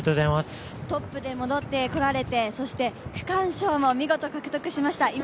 トップで戻ってこられてそして区間賞も見事獲得しました。